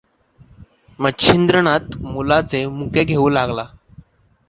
मच्छिंद्रनाथ मुलाचे मुके घेऊं लागला.